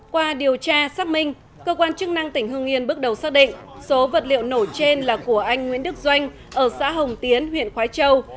qua điều tra xác minh cơ quan chức năng tỉnh hương yên bước đầu xác định số vật liệu nổ trên là của anh nguyễn đức doanh ở xã hồng tiến huyện khói châu